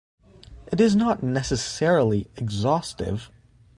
It is not necessarily exhaustive.